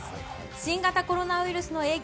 新型コロナウイルスの影響